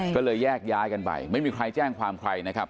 ก็เลยแยกย้ายกันไปไม่มีใครแจ้งความใครนะครับ